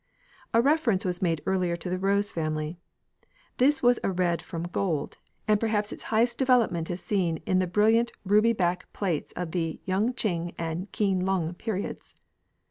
A reference was made earlier to the rose family. This was a red from gold, and perhaps its highest development is seen in the brilliant ruby back plates of the Yung ching and Keen lung periods.